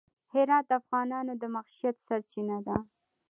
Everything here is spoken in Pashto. هرات د افغانانو د معیشت سرچینه ده.